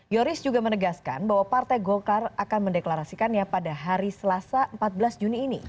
yoris juga menegaskan bahwa partai golkar akan mendeklarasikannya pada hari selasa empat belas juni ini